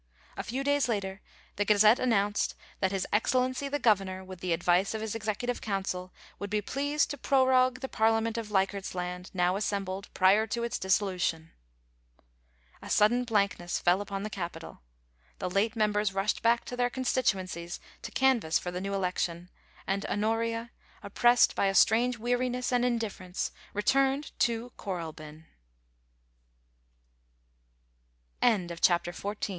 A few days later the Gazette announced * That his Excellency the Governor, with the advice of his Executive Council, would be pleased to prorogue the Parliament of Leichardt's Land, now assembled prior to its dissolution.' A sudden blankness fell upon the capital The late members rushed back to their constituencies to canvass for the new election; and Honoria, oppressed by a strange weariness